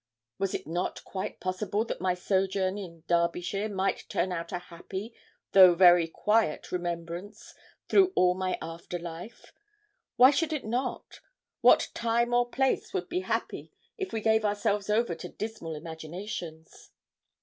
Was it not quite possible that my sojourn in Derbyshire might turn out a happy though very quiet remembrance through all my after life? Why should it not? What time or place would be happy if we gave ourselves over to dismal imaginations?